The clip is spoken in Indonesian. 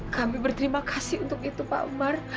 kami berterima kasih untuk itu pak umar